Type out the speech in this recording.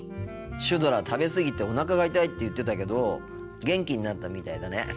シュドラ食べ過ぎておなかが痛いって言ってたけど元気になったみたいだね。